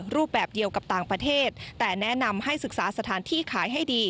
รูปแบบเดียวกับต่างประเทศแต่แนะนำให้ศึกษาสถานที่ขายให้ดี